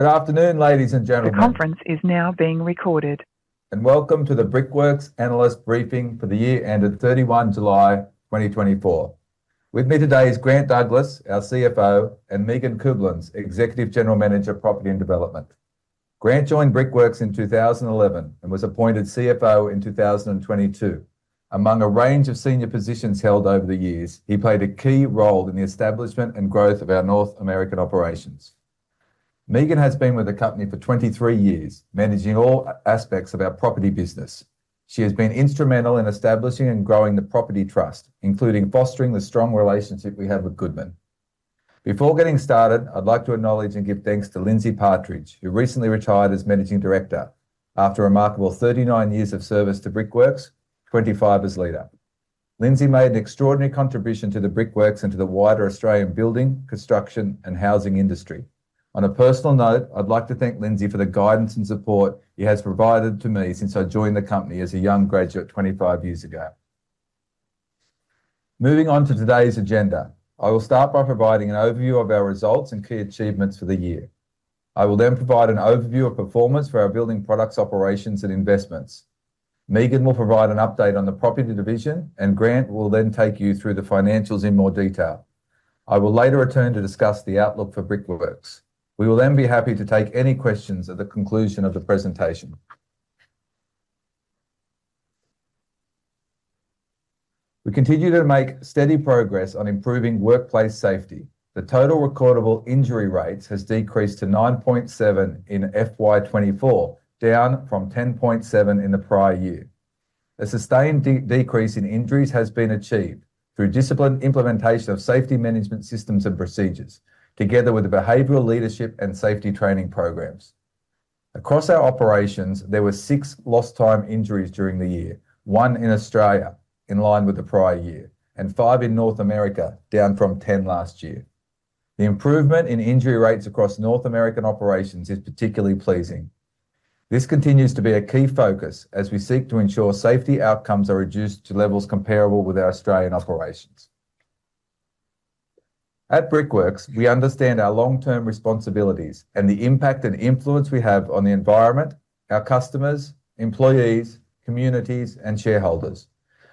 Good afternoon, ladies and gentlemen. The conference is now being recorded. Welcome to the Brickworks Analyst briefing for the year ended 31 July 2024. With me today is Grant Douglas, our CFO, and Megan Kublins, Executive General Manager of Property and Development. Grant joined Brickworks in 2011 and was appointed CFO in 2022. Among a range of senior positions held over the years, he played a key role in the establishment and growth of our North American operations. Megan has been with the company for 23 years, managing all aspects of our property business. She has been instrumental in establishing and growing the property trust, including fostering the strong relationship we have with Goodman. Before getting started, I'd like to acknowledge and give thanks to Lindsay Partridge, who recently retired as Managing Director after a remarkable 39 years of service to Brickworks, 25 as leader. Lindsay made an extraordinary contribution to the Brickworks and to the wider Australian building, construction, and housing industry. On a personal note, I'd like to thank Lindsay for the guidance and support he has provided to me since I joined the company as a young graduate 25 years ago. Moving on to today's agenda, I will start by providing an overview of our results and key achievements for the year. I will then provide an overview of performance for our building products, operations, and investments. Megan will provide an update on the property division, and Grant will then take you through the financials in more detail. I will later return to discuss the outlook for Brickworks. We will then be happy to take any questions at the conclusion of the presentation. We continue to make steady progress on improving workplace safety. The total recordable injury rates has decreased to nine point seven in FY 2024, down from 10.7 in the prior year. A sustained decrease in injuries has been achieved through disciplined implementation of safety management systems and procedures, together with the behavioral, leadership, and safety training programs. Across our operations, there were six lost time injuries during the year. One in Australia, in line with the prior year, and five in North America, down from ten last year. The improvement in injury rates across North American operations is particularly pleasing. This continues to be a key focus as we seek to ensure safety outcomes are reduced to levels comparable with our Australian operations. At Brickworks, we understand our long-term responsibilities and the impact and influence we have on the environment, our customers, employees, communities, and shareholders.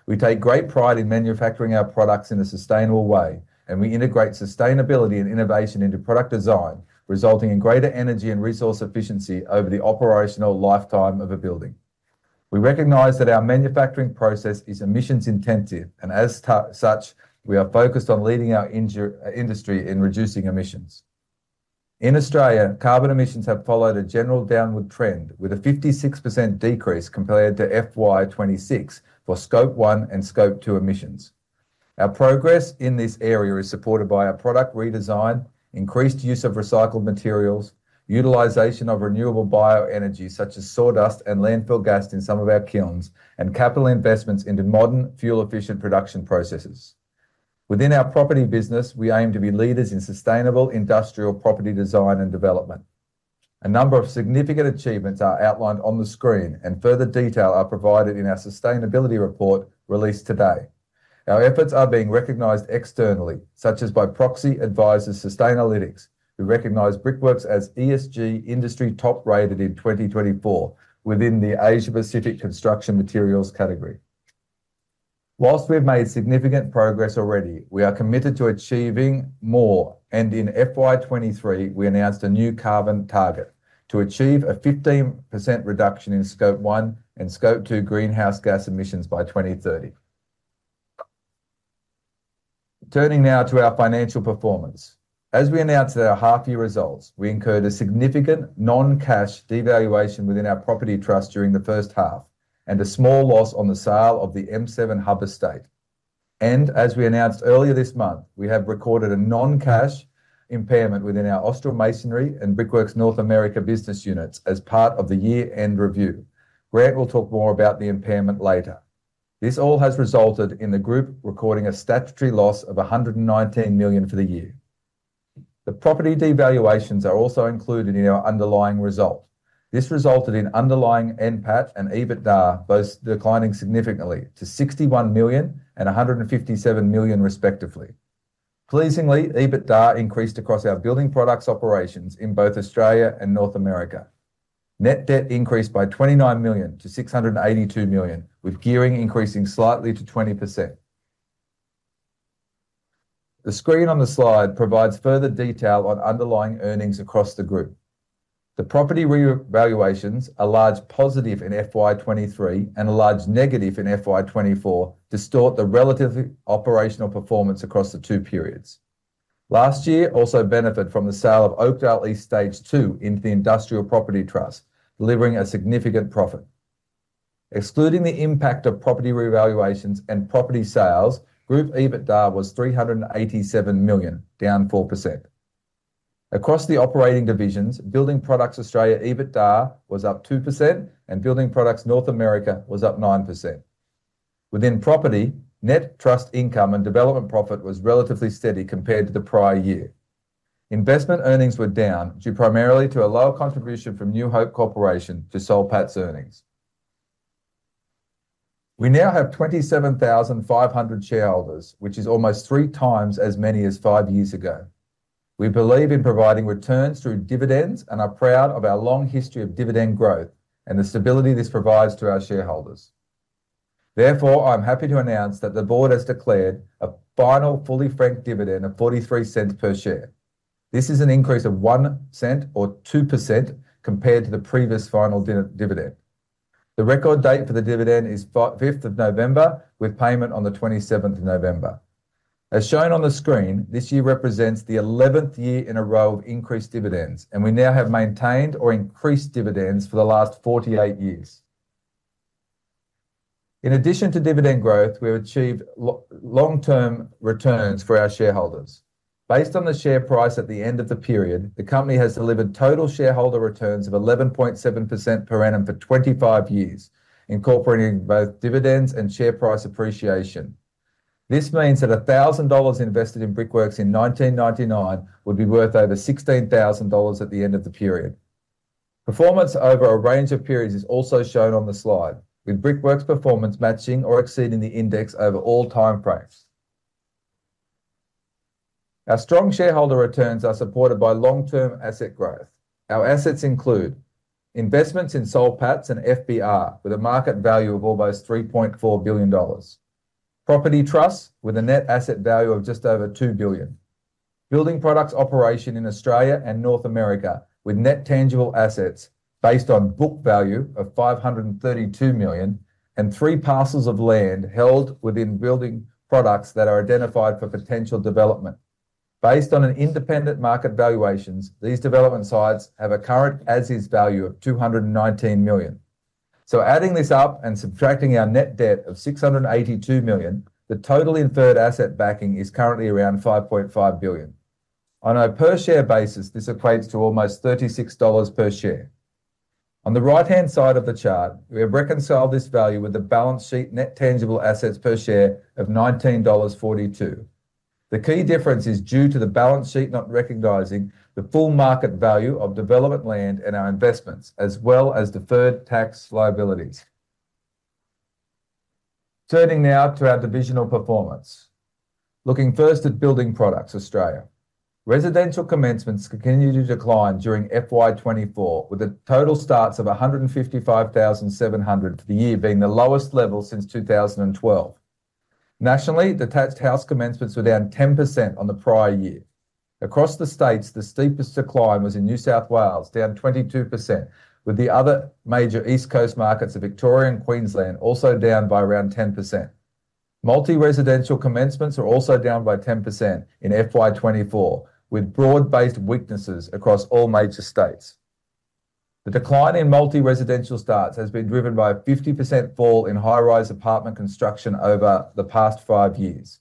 We take great pride in manufacturing our products in a sustainable way, and we integrate sustainability and innovation into product design, resulting in greater energy and resource efficiency over the operational lifetime of a building. We recognize that our manufacturing process is emissions intensive, and as such, we are focused on leading our industry in reducing emissions. In Australia, carbon emissions have followed a general downward trend, with a 56% decrease compared to FY 2006 for Scope 1 and Scope 2 emissions. Our progress in this area is supported by our product redesign, increased use of recycled materials, utilization of renewable bioenergy, such as sawdust and landfill gas in some of our kilns, and capital investments into modern, fuel-efficient production processes. Within our property business, we aim to be leaders in sustainable industrial property design and development. A number of significant achievements are outlined on the screen, and further detail are provided in our sustainability report released today. Our efforts are being recognized externally, such as by proxy advisors Sustainalytics, who recognize Brickworks as ESG Industry Top Rated in 2024 within the Asia Pacific Construction Materials category. Whilst we've made significant progress already, we are committed to achieving more, and in FY 2023, we announced a new carbon target: to achieve a 15% reduction in Scope 1 and Scope 2 greenhouse gas emissions by 2030. Turning now to our financial performance. As we announced at our half-year results, we incurred a significant non-cash devaluation within our property trust during the first half, and a small loss on the sale of the M7 Hub estate. As we announced earlier this month, we have recorded a non-cash impairment within our Austral Masonry and Brickworks North America business units as part of the year-end review. Grant will talk more about the impairment later. This all has resulted in the group recording a statutory loss of 119 million for the year. The property devaluations are also included in our underlying result. This resulted in underlying NPAT and EBITDA both declining significantly to 61 million and 157 million respectively. Pleasingly, EBITDA increased across our building products operations in both Australia and North America. Net debt increased by 29 million to 682 million, with gearing increasing slightly to 20%. The screen on the slide provides further detail on underlying earnings across the group. The property revaluations, a large positive in FY 2023 and a large negative in FY 2024, distort the relative operational performance across the two periods. Last year also benefited from the sale of Oakdale East Stage 2 into the Industrial Property Trust, delivering a significant profit. Excluding the impact of property revaluations and property sales, group EBITDA was 387 million, down 4%. Across the operating divisions, Building Products Australia, EBITDA was up 2%, and Building Products North America was up 9%. Within property, net trust income, and development profit was relatively steady compared to the prior year. Investment earnings were down due primarily to a lower contribution from New Hope Corporation to Soul Patts earnings.... We now have 27,500 shareholders, which is almost 3x as many as five years ago. We believe in providing returns through dividends and are proud of our long history of dividend growth and the stability this provides to our shareholders. Therefore, I'm happy to announce that the board has declared a final fully franked dividend of 0.43 per share. This is an increase of 0.01 or 2% compared to the previous final dividend. The record date for the dividend is 5th November, with payment on the 27th November. As shown on the screen, this year represents the 11th year in a row of increased dividends, and we now have maintained or increased dividends for the last 48 years. In addition to dividend growth, we have achieved long-term returns for our shareholders. Based on the share price at the end of the period, the company has delivered total shareholder returns of 11.7% per annum for 25 years, incorporating both dividends and share price appreciation. This means that 1,000 dollars invested in Brickworks in 1999 would be worth over 16,000 dollars at the end of the period. Performance over a range of periods is also shown on the slide, with Brickworks' performance matching or exceeding the index over all time frames. Our strong shareholder returns are supported by long-term asset growth. Our assets include investments in Soul Patts and FBR, with a market value of almost AUD 3.4 billion, property trusts, with a net asset value of just over AUD 2 billion, building products operation in Australia and North America, with net tangible assets based on book value of 532 million, and three parcels of land held within building products that are identified for potential development. Based on an independent market valuations, these development sites have a current as is value of 219 million. Adding this up and subtracting our net debt of 682 million, the total inferred asset backing is currently around 5.5 billion. On a per share basis, this equates to almost 36 dollars per share. On the right-hand side of the chart, we have reconciled this value with the balance sheet net tangible assets per share of 19.42 dollars. The key difference is due to the balance sheet not recognizing the full market value of development land and our investments, as well as deferred tax liabilities. Turning now to our divisional performance. Looking first at Building Products Australia. Residential commencements continued to decline during FY 2024, with the total starts of 155,700 for the year being the lowest level since 2012. Nationally, detached house commencements were down 10% on the prior year. Across the states, the steepest decline was in New South Wales, down 22%, with the other major East Coast markets of Victoria and Queensland also down by around 10%. Multi-residential commencements are also down by 10% in FY 2024, with broad-based weaknesses across all major states. The decline in multi-residential starts has been driven by a 50% fall in high-rise apartment construction over the past five years.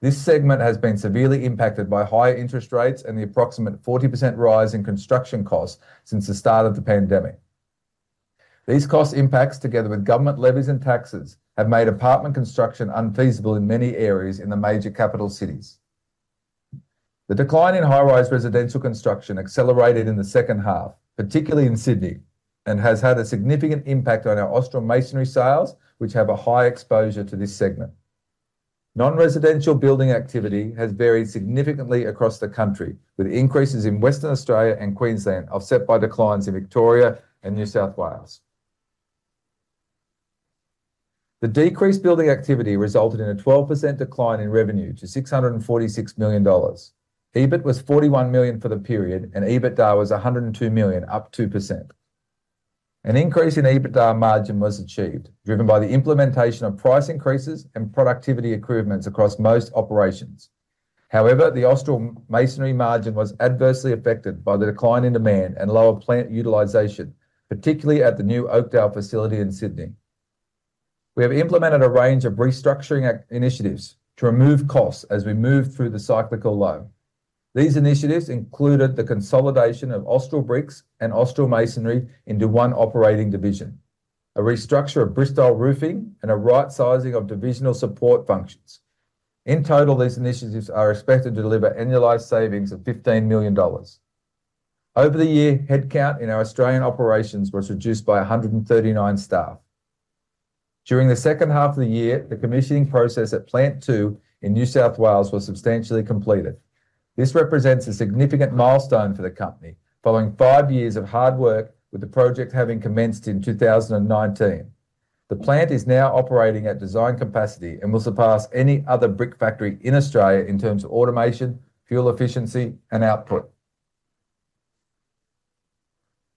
This segment has been severely impacted by higher interest rates and the approximate 40% rise in construction costs since the start of the pandemic. These cost impacts, together with government levies and taxes, have made apartment construction unfeasible in many areas in the major capital cities. The decline in high-rise residential construction accelerated in the second half, particularly in Sydney, and has had a significant impact on our Austral Masonry sales, which have a high exposure to this segment. Non-residential building activity has varied significantly across the country, with increases in Western Australia and Queensland offset by declines in Victoria and New South Wales. The decreased building activity resulted in a 12% decline in revenue to 646 million dollars. EBIT was 41 million for the period, and EBITDA was 102 million, up 2%. An increase in EBITDA margin was achieved, driven by the implementation of price increases and productivity improvements across most operations. However, the Austral Masonry margin was adversely affected by the decline in demand and lower plant utilization, particularly at the new Oakdale facility in Sydney. We have implemented a range of restructuring actions, initiatives to remove costs as we move through the cyclical low. These initiatives included the consolidation of Austral Bricks and Austral Masonry into one operating division, a restructure of Bristile Roofing, and a right-sizing of divisional support functions. In total, these initiatives are expected to deliver annualized savings of 15 million dollars. Over the year, headcount in our Australian operations was reduced by 139 staff. During the second half of the year, the commissioning process at Plant 2 in New South Wales was substantially completed. This represents a significant milestone for the company, following five years of hard work, with the project having commenced in 2019. The plant is now operating at design capacity and will surpass any other brick factory in Australia in terms of automation, fuel efficiency, and output.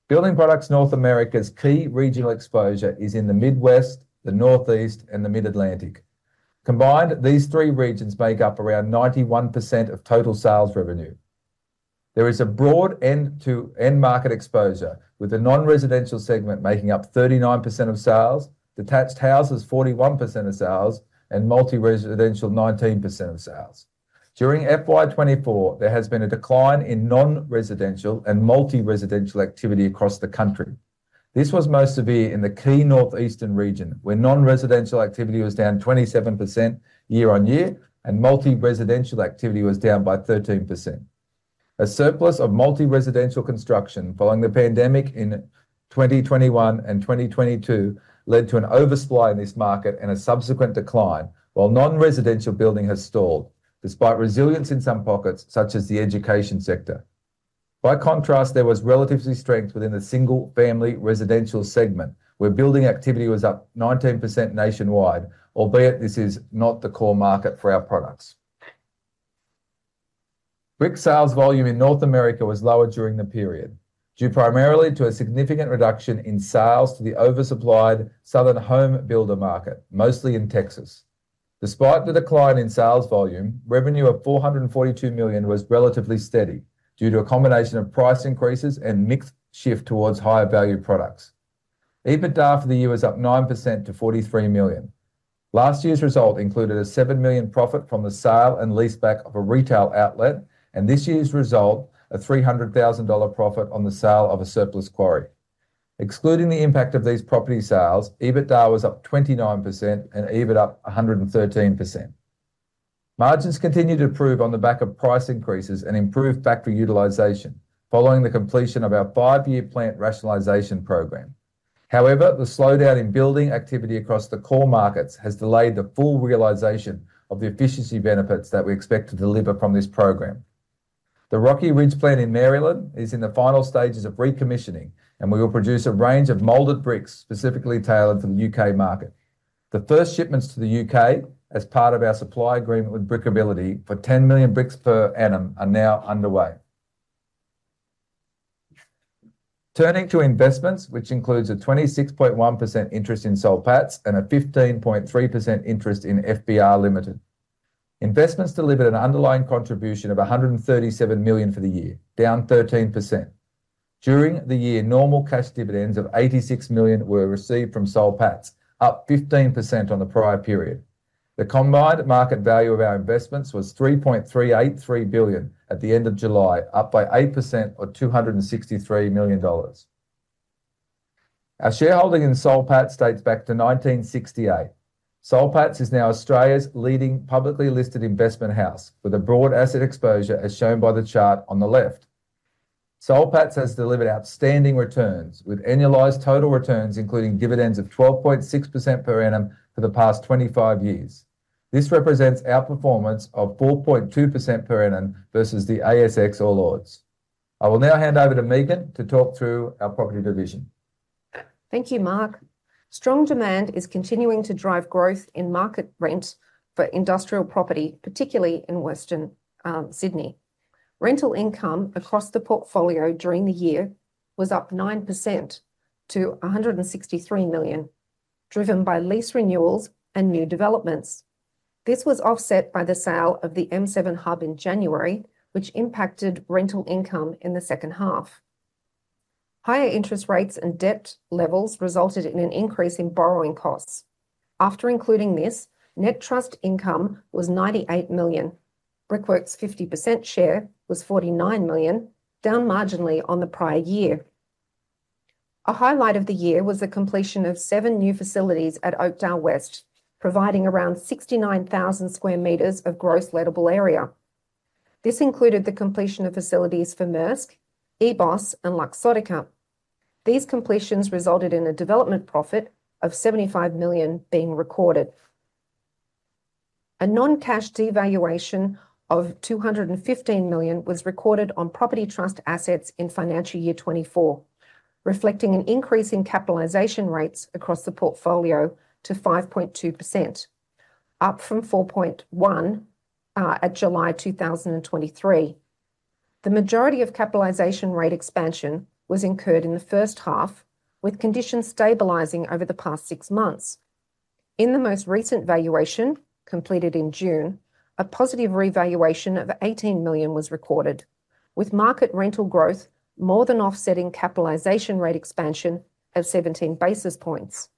Building Products North America's key regional exposure is in the Midwest, the Northeast, and the Mid-Atlantic. Combined, these three regions make up around 91% of total sales revenue. There is a broad end-to-end market exposure, with the non-residential segment making up 39% of sales, detached houses 41% of sales, and multi-residential 19% of sales. During FY 2024, there has been a decline in non-residential and multi-residential activity across the country. This was most severe in the key northeastern region, where non-residential activity was down 27% year on year and multi-residential activity was down by 13%.... A surplus of multi-residential construction following the pandemic in 2021 and 2022 led to an oversupply in this market and a subsequent decline, while non-residential building has stalled, despite resilience in some pockets, such as the education sector. By contrast, there was relatively strength within the single-family residential segment, where building activity was up 19% nationwide, albeit this is not the core market for our products. Brick sales volume in North America was lower during the period, due primarily to a significant reduction in sales to the oversupplied southern home builder market, mostly in Texas. Despite the decline in sales volume, revenue of 442 million was relatively steady due to a combination of price increases and mix shift towards higher value products. EBITDA for the year was up 9% to 43 million. Last year's result included an 7 million profit from the sale and leaseback of a retail outlet, and this year's result, an 300,000 dollar profit on the sale of a surplus quarry. Excluding the impact of these property sales, EBITDA was up 29% and EBIT up 113%. Margins continued to improve on the back of price increases and improved factory utilization following the completion of our 5-year plant rationalization program. However, the slowdown in building activity across the core markets has delayed the full realization of the efficiency benefits that we expect to deliver from this program. The Rocky Ridge plant in Maryland is in the final stages of recommissioning, and we will produce a range of molded bricks specifically tailored for the U.K. market. The first shipments to the U.K., as part of our supply agreement with Brickability for 10 million bricks per annum, are now underway. Turning to investments, which includes a 26.1% interest in Soul Patts and a 15.3% interest in FBR Limited. Investments delivered an underlying contribution of 137 million for the year, down 13%. During the year, normal cash dividends of 86 million were received from Soul Patts, up 15% on the prior period. The combined market value of our investments was AUD 3.383 billion at the end of July, up by 8% or 263 million dollars. Our shareholding in Soul Patts dates back to 1968. Soul Patts is now Australia's leading publicly listed investment house, with a broad asset exposure, as shown by the chart on the left. Soul Patts has delivered outstanding returns, with annualized total returns, including dividends of 12.6% per annum for the past 25 years. This represents outperformance of 4.2% per annum versus the ASX All Ords. I will now hand over to Megan to talk through our property division. Thank you, Mark. Strong demand is continuing to drive growth in market rent for industrial property, particularly in Western Sydney. Rental income across the portfolio during the year was up 9% to 163 million, driven by lease renewals and new developments. This was offset by the sale of the M7 Hub in January, which impacted rental income in the second half. Higher interest rates and debt levels resulted in an increase in borrowing costs. After including this, net trust income was 98 million. Brickworks' fifty percent share was 49 million, down marginally on the prior year. A highlight of the year was the completion of seven new facilities at Oakdale West, providing around 69,000 square meters of gross lettable area. This included the completion of facilities for Maersk, EBOS, and Luxottica. These completions resulted in a development profit of 75 million being recorded. A non-cash devaluation of 215 million was recorded on property trust assets in financial year 2024, reflecting an increase in capitalization rates across the portfolio to 5.2%, up from 4.1% at July 2023. The majority of capitalization rate expansion was incurred in the first half, with conditions stabilizing over the past six months. In the most recent valuation, completed in June, a positive revaluation of 18 million was recorded, with market rental growth more than offsetting capitalization rate expansion of 17 basis points.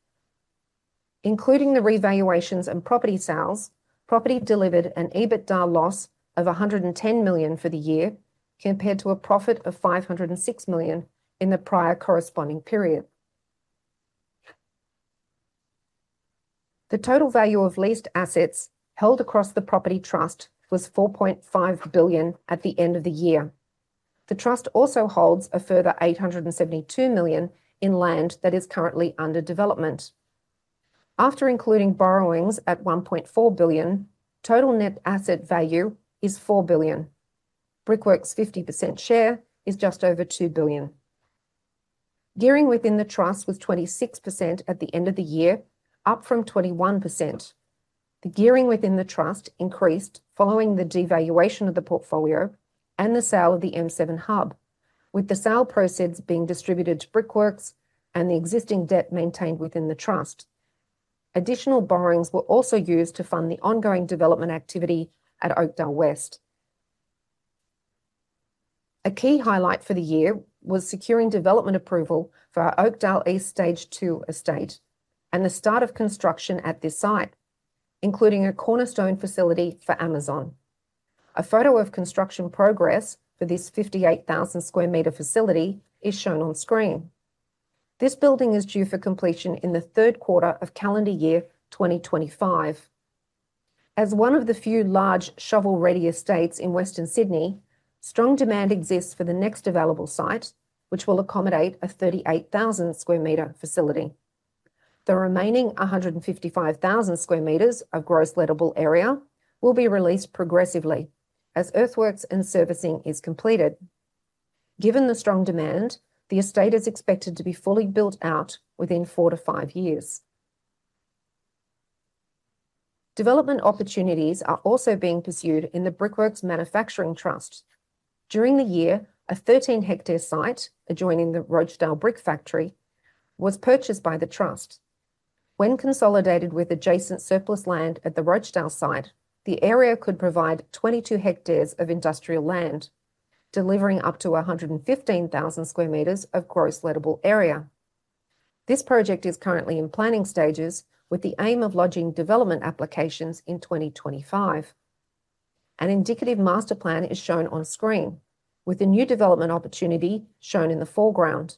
Including the revaluations and property sales, property delivered an EBITDA loss of 110 million for the year, compared to a profit of 506 million in the prior corresponding period. The total value of leased assets held across the property trust was 4.5 billion at the end of the year. The trust also holds a further 872 million in land that is currently under development. After including borrowings at 1.4 billion, total net asset value is 4 billion. Brickworks' fifty percent share is just over 2 billion. Gearing within the trust was 26% at the end of the year, up from 21%. The gearing within the trust increased following the devaluation of the portfolio and the sale of the M7 Hub, with the sale proceeds being distributed to Brickworks and the existing debt maintained within the trust. Additional borrowings were also used to fund the ongoing development activity at Oakdale West. A key highlight for the year was securing development approval for our Oakdale East Stage Two estate and the start of construction at this site, including a cornerstone facility for Amazon. A photo of construction progress for this 58,000 square meter facility is shown on screen. This building is due for completion in the third quarter of calendar year 2025. As one of the few large shovel-ready estates in Western Sydney, strong demand exists for the next available site, which will accommodate a 38,000 square meter facility. The remaining 155,000 square meters of gross lettable area will be released progressively as earthworks and servicing is completed. Given the strong demand, the estate is expected to be fully built out within 4-5 years. Development opportunities are also being pursued in the Brickworks Manufacturing Trust. During the year, a 13-hectare site adjoining the Rochedale brick factory was purchased by the trust. When consolidated with adjacent surplus land at the Rochedale site, the area could provide 22 hectares of industrial land, delivering up to 115,000 sq m of gross lettable area. This project is currently in planning stages, with the aim of lodging development applications in 2025. An indicative master plan is shown on screen, with the new development opportunity shown in the foreground.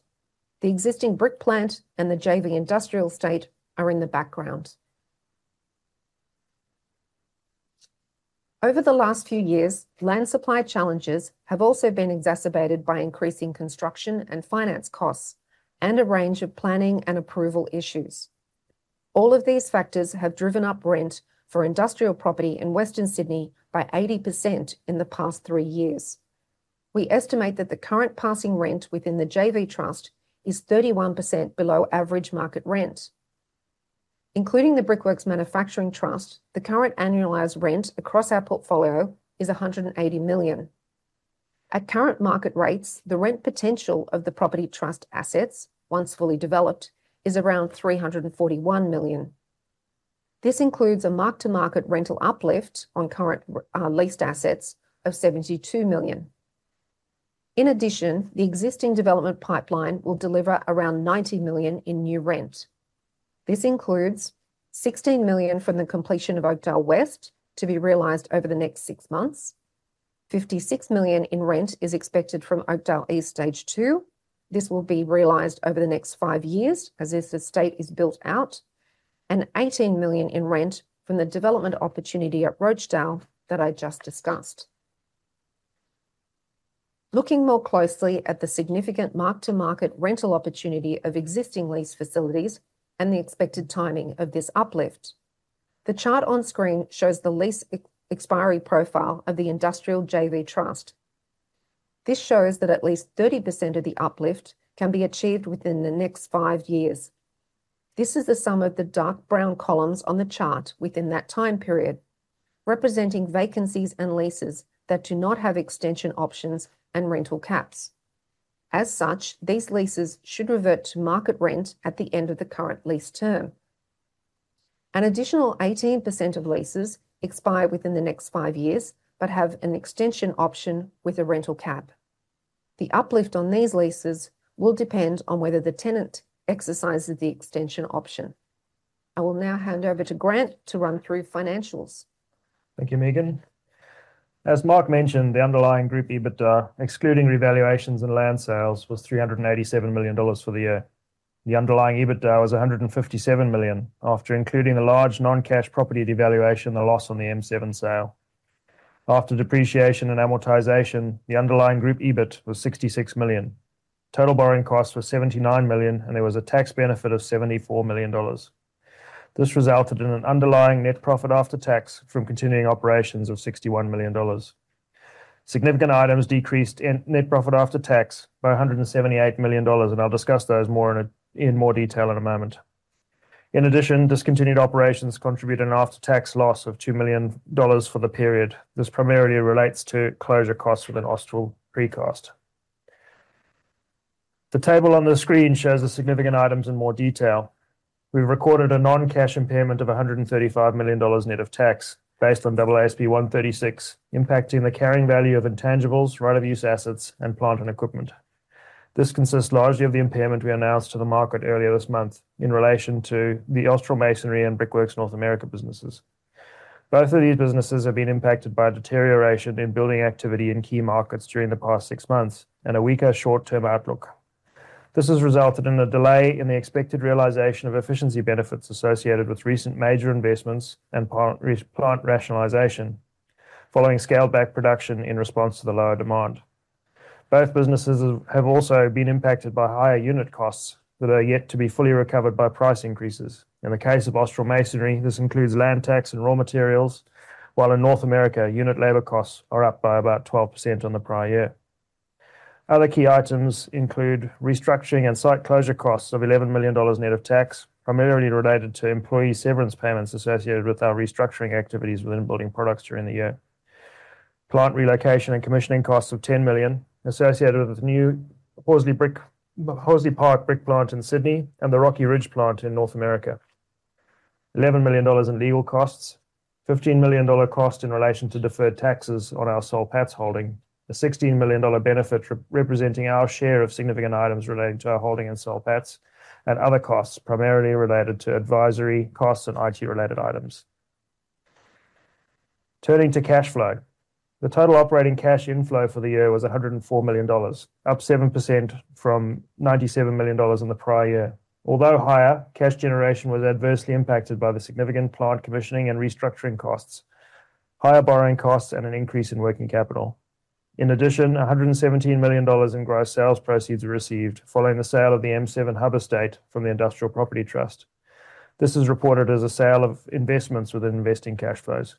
The existing brick plant and the JV industrial estate are in the background. Over the last few years, land supply challenges have also been exacerbated by increasing construction and finance costs and a range of planning and approval issues. All of these factors have driven up rent for industrial property in Western Sydney by 80% in the past 3 years. We estimate that the current passing rent within the JV trust is 31% below average market rent. Including the Brickworks Manufacturing Trust, the current annualized rent across our portfolio is 180 million. At current market rates, the rent potential of the property trust assets, once fully developed, is around 341 million. This includes a mark-to-market rental uplift on current leased assets of 72 million. In addition, the existing development pipeline will deliver around 90 million in new rent. This includes 16 million from the completion of Oakdale West, to be realized over the next six months. 56 million in rent is expected from Oakdale East Stage Two. This will be realized over the next five years as this estate is built out. And 18 million in rent from the development opportunity at Rochedale that I just discussed. Looking more closely at the significant mark-to-market rental opportunity of existing lease facilities and the expected timing of this uplift, the chart on screen shows the lease expiry profile of the industrial JV trust. This shows that at least 30% of the uplift can be achieved within the next five years. This is the sum of the dark brown columns on the chart within that time period, representing vacancies and leases that do not have extension options and rental caps. As such, these leases should revert to market rent at the end of the current lease term. An additional 18% of leases expire within the next five years but have an extension option with a rental cap. The uplift on these leases will depend on whether the tenant exercises the extension option. I will now hand over to Grant to run through financials. Thank you, Megan. As Mark mentioned, the underlying group EBITDA, excluding revaluations and land sales, was 387 million dollars for the year. The underlying EBITDA was 157 million, after including the large non-cash property devaluation and the loss on the M7 sale. After depreciation and amortization, the underlying group EBIT was 66 million. Total borrowing costs were 79 million, and there was a tax benefit of 74 million dollars. This resulted in an underlying net profit after tax from continuing operations of 61 million dollars. Significant items decreased in net profit after tax by 178 million dollars, and I'll discuss those more in more detail in a moment. In addition, discontinued operations contributed an after-tax loss of 2 million dollars for the period. This primarily relates to closure costs within Austral Precast. The table on the screen shows the significant items in more detail. We've recorded a non-cash impairment of 135 million dollars net of tax, based on AASB 136, impacting the carrying value of intangibles, right of use assets, and plant and equipment. This consists largely of the impairment we announced to the market earlier this month in relation to the Austral Masonry and Brickworks North America businesses. Both of these businesses have been impacted by a deterioration in building activity in key markets during the past six months and a weaker short-term outlook. This has resulted in a delay in the expected realization of efficiency benefits associated with recent major investments and plant rationalization, following scaled-back production in response to the lower demand. Both businesses have also been impacted by higher unit costs that are yet to be fully recovered by price increases. In the case of Austral Masonry, this includes land tax and raw materials, while in North America, unit labor costs are up by about 12% on the prior year. Other key items include restructuring and site closure costs of 11 million dollars net of tax, primarily related to employee severance payments associated with our restructuring activities within building products during the year. Plant relocation and commissioning costs of 10 million, associated with the new Horsley Park brick plant in Sydney and the Rocky Ridge plant in North America. 11 million dollars in legal costs, 15 million dollar cost in relation to deferred taxes on our Soul Patts holding, a 16 million dollar benefit representing our share of significant items relating to our holding in Soul Patts, and other costs, primarily related to advisory costs and IT-related items. Turning to cash flow. The total operating cash inflow for the year was 104 million dollars, up 7% from 97 million dollars in the prior year. Although higher, cash generation was adversely impacted by the significant plant commissioning and restructuring costs, higher borrowing costs, and an increase in working capital. In addition, 117 million dollars in gross sales proceeds were received following the sale of the M7 Hub estate from the Industrial Property Trust. This is reported as a sale of investments within investing cash flows.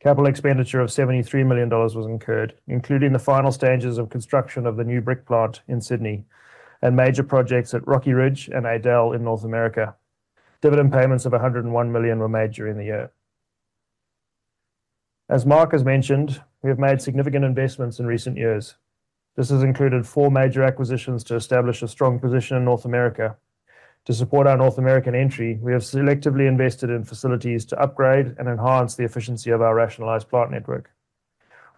Capital expenditure of 73 million dollars was incurred, including the final stages of construction of the new brick plant in Sydney, and major projects at Rocky Ridge and Adel in North America. Dividend payments of 101 million were made during the year. As Mark has mentioned, we have made significant investments in recent years. This has included four major acquisitions to establish a strong position in North America. To support our North American entry, we have selectively invested in facilities to upgrade and enhance the efficiency of our rationalized plant network.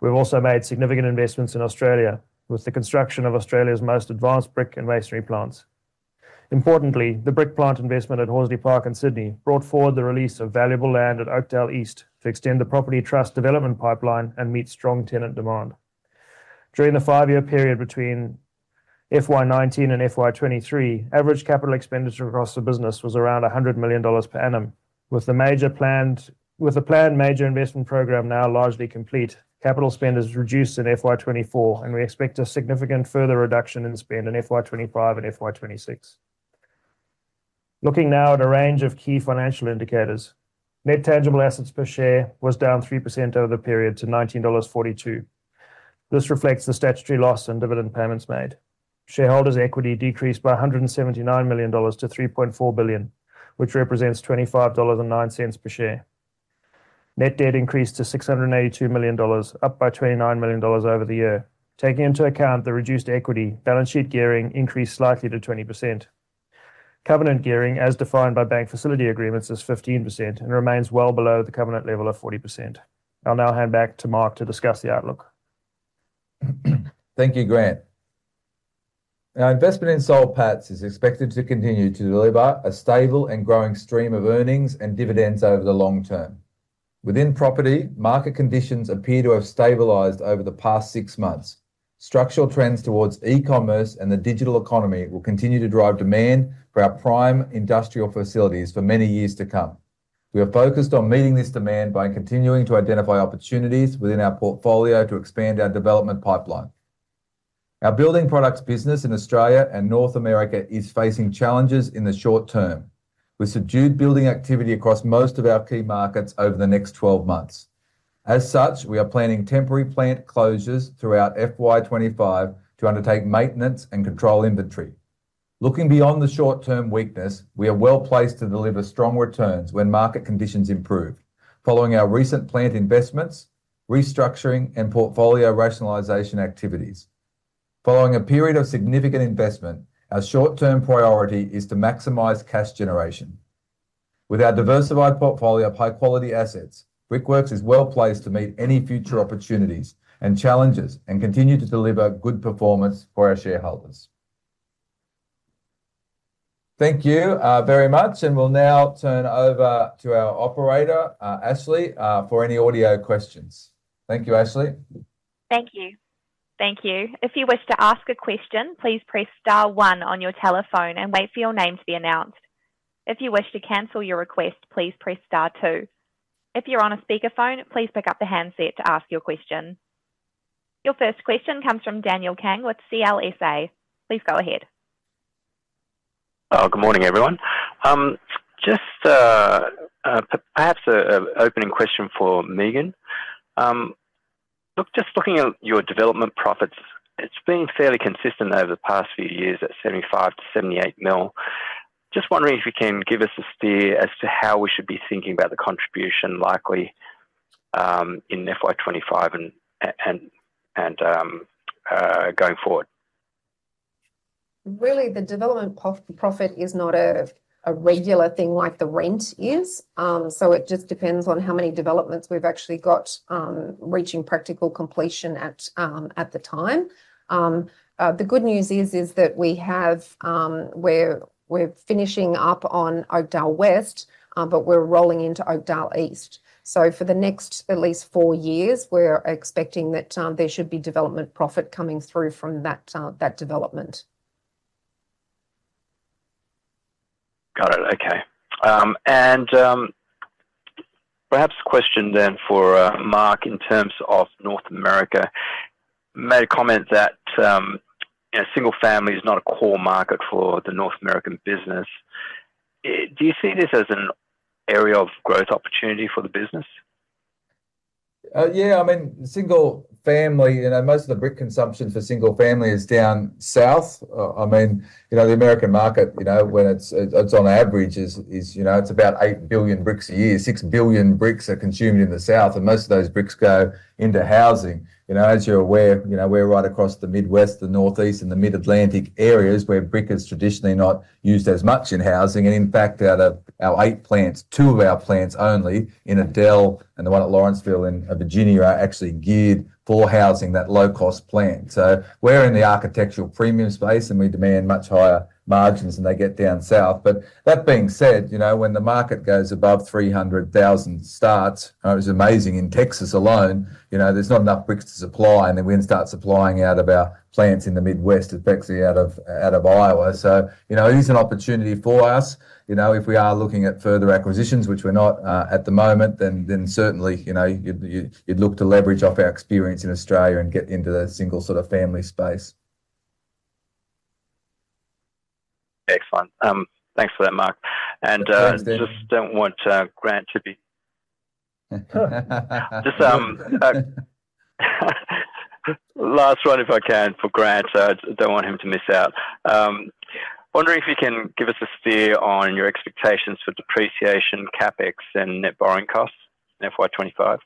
We've also made significant investments in Australia, with the construction of Australia's most advanced brick and masonry plants. Importantly, the brick plant investment at Horsley Park in Sydney brought forward the release of valuable land at Oakdale East to extend the property trust development pipeline and meet strong tenant demand. During the five-year period between FY 2019 and FY 2023, average capital expenditure across the business was around 100 million dollars per annum. With the planned major investment program now largely complete, capital spend is reduced in FY 2024, and we expect a significant further reduction in spend in FY 2025 and FY 2026. Looking now at a range of key financial indicators, net tangible assets per share was down 3% over the period to 19.42 dollars. This reflects the statutory loss and dividend payments made. Shareholders' equity decreased by 179 million dollars to 3.4 billion, which represents 25.09 dollars per share. Net debt increased to 682 million dollars, up by 29 million dollars over the year. Taking into account the reduced equity, balance sheet gearing increased slightly to 20%. Covenant gearing, as defined by bank facility agreements, is 15% and remains well below the covenant level of 40%. I'll now hand back to Mark to discuss the outlook. Thank you, Grant. Our investment in Soul Patts is expected to continue to deliver a stable and growing stream of earnings and dividends over the long term. Within property, market conditions appear to have stabilized over the past six months. Structural trends towards e-commerce and the digital economy will continue to drive demand for our prime industrial facilities for many years to come. We are focused on meeting this demand by continuing to identify opportunities within our portfolio to expand our development pipeline. Our building products business in Australia and North America is facing challenges in the short term, with subdued building activity across most of our key markets over the next twelve months. As such, we are planning temporary plant closures throughout FY 2025 to undertake maintenance and control inventory. Looking beyond the short-term weakness, we are well placed to deliver strong returns when market conditions improve, following our recent plant investments, restructuring, and portfolio rationalization activities. Following a period of significant investment, our short-term priority is to maximize cash generation. With our diversified portfolio of high-quality assets, Brickworks is well placed to meet any future opportunities and challenges and continue to deliver good performance for our shareholders. Thank you, very much, and we'll now turn over to our operator, Ashley, for any audio questions. Thank you, Ashley. Thank you. Thank you. If you wish to ask a question, please press star one on your telephone and wait for your name to be announced. If you wish to cancel your request, please press star two. If you're on a speakerphone, please pick up the handset to ask your question. Your first question comes from Daniel Kang with CLSA. Please go ahead. Good morning, everyone. Just perhaps an opening question for Megan. Look, just looking at your development profits, it's been fairly consistent over the past few years at 75-78 mil. Just wondering if you can give us a steer as to how we should be thinking about the contribution likely in FY 2025 and going forward. Really, the development profit is not a regular thing like the rent is. So it just depends on how many developments we've actually got reaching practical completion at the time. The good news is that we have, we're finishing up on Oakdale West, but we're rolling into Oakdale East. For the next at least four years, we're expecting that there should be development profit coming through from that development. Got it. Okay, and perhaps a question then for Mark in terms of North America. Made a comment that, you know, single family is not a core market for the North American business. Do you see this as an area of growth opportunity for the business? Yeah, I mean, single family, you know, most of the brick consumption for single family is down south. I mean, you know, the American market, you know, when it's on average is, you know, it's about eight billion bricks a year. Six billion bricks are consumed in the south, and most of those bricks go into housing. You know, as you're aware, you know, we're right across the Midwest, the Northeast, and the Mid-Atlantic areas, where brick is traditionally not used as much in housing. And in fact, out of our eight plants, two of our plants only, in Adel and the one at Lawrenceville in Virginia, are actually geared for housing, that low-cost plant. So we're in the architectural premium space, and we demand much higher margins than they get down south. But that being said, you know, when the market goes above three hundred thousand starts, it's amazing in Texas alone, you know, there's not enough bricks to supply, and then we start supplying out of our plants in the Midwest, especially out of Iowa. So, you know, it is an opportunity for us. You know, if we are looking at further acquisitions, which we're not, at the moment, then certainly, you know, you'd look to leverage off our experience in Australia and get into the single sort of family space. ... Excellent. Thanks for that, Mark. And, Thanks, Daniel. Just, last one, if I can, for Grant, so I don't want him to miss out. Wondering if you can give us a steer on your expectations for depreciation, CapEx, and net borrowing costs in FY 2025?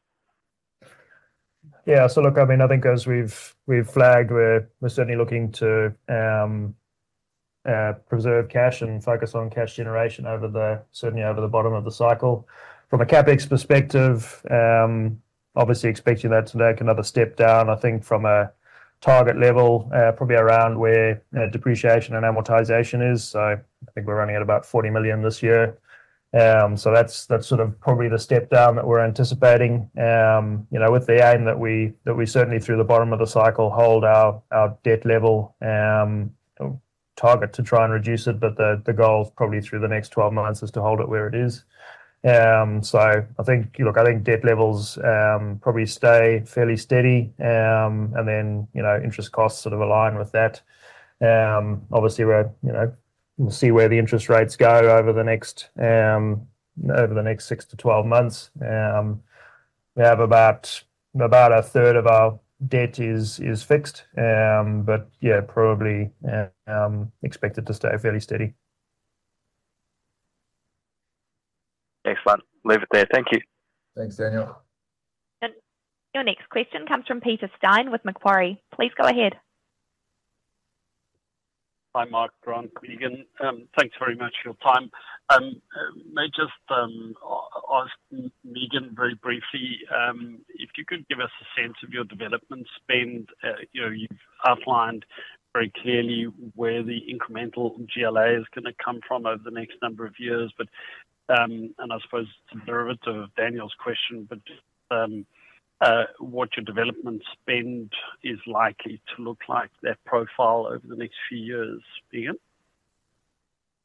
Yeah. So look, I mean, I think as we've flagged, we're certainly looking to preserve cash and focus on cash generation over the, certainly over the bottom of the cycle. From a CapEx perspective, obviously expecting that to take another step down, I think from a target level, probably around where depreciation and amortization is. So I think we're running at about 40 million this year. So that's sort of probably the step down that we're anticipating. You know, with the aim that we certainly through the bottom of the cycle, hold our debt level, target to try and reduce it, but the goal is probably through the next 12 months, is to hold it where it is. So I think, look, I think debt levels probably stay fairly steady. And then, you know, interest costs sort of align with that. Obviously, we're, you know, we'll see where the interest rates go over the next six to 12 months. We have about a third of our debt is fixed, but yeah, probably expected to stay fairly steady. Excellent! We'll leave it there. Thank you. Thanks, Daniel. Your next question comes from Peter Stein with Macquarie. Please go ahead. Hi, Mark, Grant, Megan. Thanks very much for your time. May just ask Megan very briefly if you could give us a sense of your development spend. You know, you've outlined very clearly where the incremental GLA is gonna come from over the next number of years. But, and I suppose it's a derivative of Daniel's question, but, what your development spend is likely to look like, that profile over the next few years, Megan?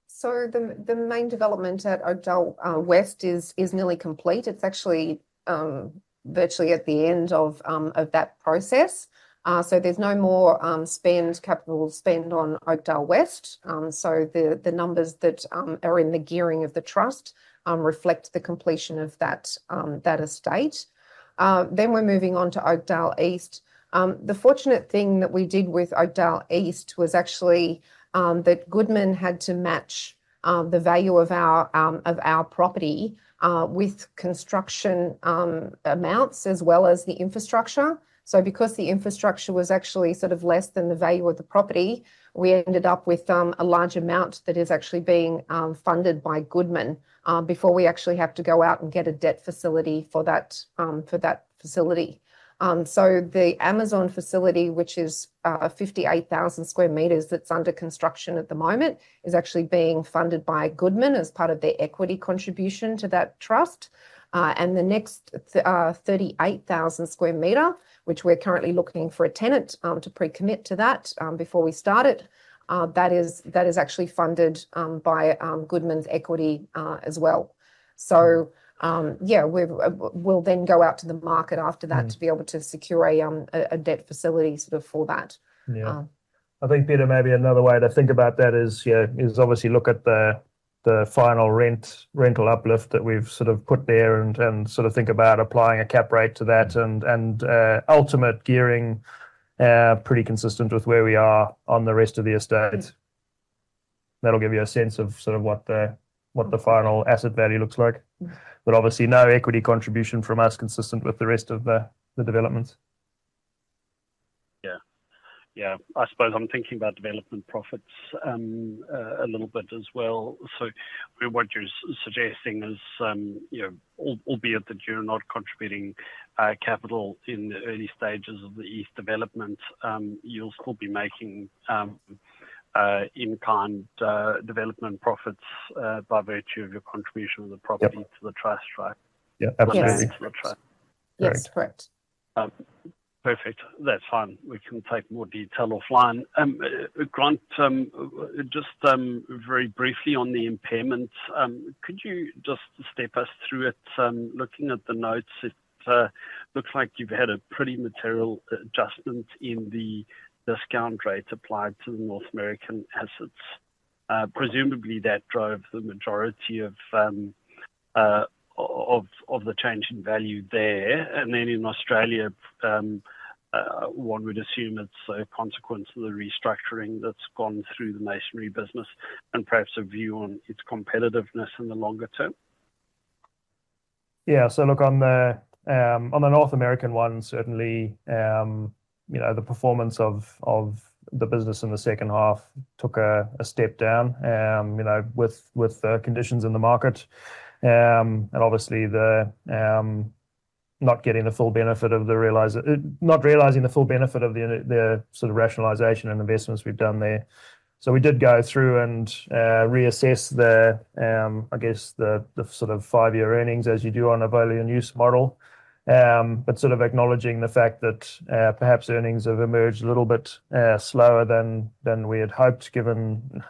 So the main development at Oakdale West is nearly complete. It's actually virtually at the end of that process. So there's no more capital spend on Oakdale West. So the numbers that are in the gearing of the trust reflect the completion of that estate. Then we're moving on to Oakdale East. The fortunate thing that we did with Oakdale East was actually that Goodman had to match the value of our property with construction amounts as well as the infrastructure. Because the infrastructure was actually sort of less than the value of the property, we ended up with a large amount that is actually being funded by Goodman before we actually have to go out and get a debt facility for that facility. So the Amazon facility, which is 58,000 square meters, that's under construction at the moment, is actually being funded by Goodman as part of their equity contribution to that trust. And the next 38,000 square meter, which we're currently looking for a tenant to pre-commit to that before we start it, that is actually funded by Goodman's equity as well. So yeah, we'll then go out to the market after that- Mm... to be able to secure a debt facility sort of for that. Yeah. Um. I think, Peter, maybe another way to think about that is, yeah, is obviously look at the final rent, rental uplift that we've sort of put there and, and, ultimate gearing, pretty consistent with where we are on the rest of the estates. That'll give you a sense of sort of what the final asset value looks like. Mm. But obviously, no equity contribution from us, consistent with the rest of the developments. Yeah. Yeah, I suppose I'm thinking about development profits a little bit as well. So what you're suggesting is, you know, albeit that you're not contributing capital in the early stages of the East development, you'll still be making in-kind development profits by virtue of your contribution of the property- Yep... to the trust, right? Yeah, absolutely. Yes. Correct. That's correct. Perfect. That's fine. We can take more detail offline. Grant, just very briefly on the impairments, could you just step us through it? Looking at the notes, it looks like you've had a pretty material adjustment in the discount rate applied to the North American assets. Presumably, that drove the majority of the change in value there. And then in Australia, one would assume it's a consequence of the restructuring that's gone through the masonry business and perhaps a view on its competitiveness in the longer term. Yeah, so look, on the North American one, certainly, you know, the performance of the business in the second half took a step down, you know, with the conditions in the market, and obviously, not realizing the full benefit of the sort of rationalization and investments we've done there, so we did go through and reassess, I guess, the sort of five-year earnings as you do on a value-in-use model, but sort of acknowledging the fact that perhaps earnings have emerged a little bit slower than we had hoped, given